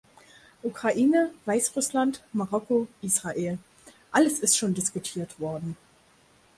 Ukraine, Weißrussland, Marokko, Israel – alles ist schon diskutiert worden.